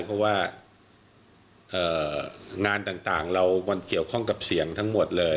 เพราะว่างานต่างเรามันเกี่ยวข้องกับเสียงทั้งหมดเลย